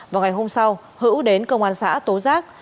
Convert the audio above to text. vào ngày hôm sau hữu đến công an xã tố giác